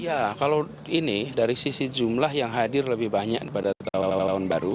oh iya kalau ini dari sisi jumlah yang hadir lebih banyak pada tahun baru